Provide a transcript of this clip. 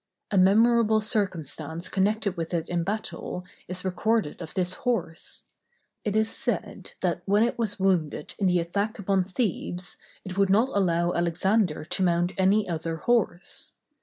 A memorable circumstance connected with it in battle is recorded of this horse; it is said that when it was wounded in the attack upon Thebes, it would not allow Alexander to mount any other horse.